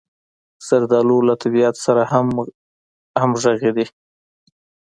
زردالو له طبعیت سره همغږې ده.